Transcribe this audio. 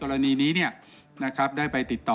วันนี้ได้ไปติดต่อ